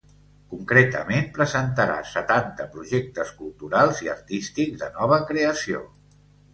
Concretament, presentarà setanta projectes culturals i artístics de nova creació.